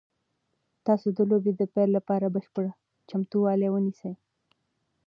تاسو د لوبې د پیل لپاره بشپړ چمتووالی ونیسئ.